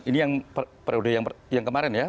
ini yang periode yang kemarin ya